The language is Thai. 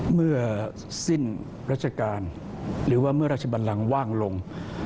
เมื่อสิ้นรัชกาลหรือว่าเมื่อราชบันลังว่างลง